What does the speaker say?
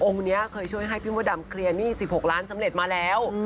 นี้เคยช่วยให้พี่มดดำเคลียร์หนี้๑๖ล้านสำเร็จมาแล้ว